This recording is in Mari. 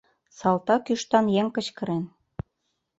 — салтак ӱштан еҥ кычкырен.